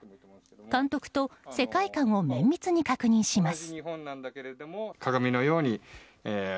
監督と世界観を綿密に確認します。